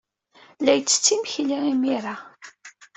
La yettett imekli imir-a.